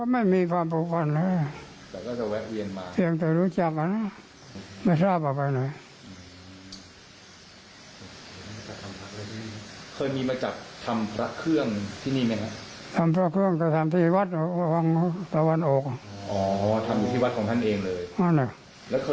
แบ่งจัดสรรมาให้ที่นี่บ้างไหมครับ